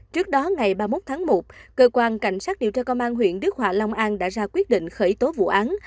trước đó ngày ba mươi một tháng một cơ quan cảnh sát điều tra công an huyện đức hòa long an đã ra quyết định khởi tố vụ án